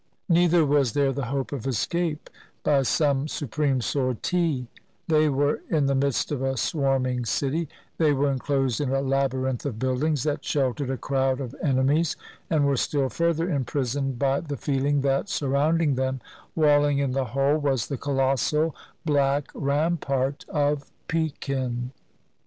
Neither was there the hope of escape by some supreme sortie; they were in the midst of a swarming city, they were inclosed in a labyrinth of buildings that sheltered a crowd of enemies, and were still further imprisoned by the feeling that, surroimding them, walling in the whole, was the colossal black rampart of Pekin.